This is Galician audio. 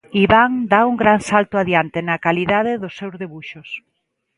Iván dá un gran salto adiante na calidade dos seu debuxos.